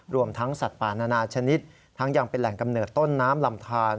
รวมทั้งสัตว์ป่านานาชนิดทั้งยังเป็นแหล่งกำเนิดต้นน้ำลำทาน